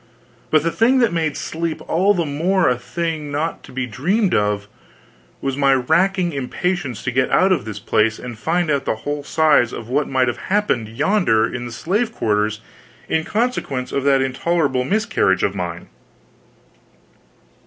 But the thing that made sleep all the more a thing not to be dreamed of, was my racking impatience to get out of this place and find out the whole size of what might have happened yonder in the slave quarters in consequence of that intolerable miscarriage of mine.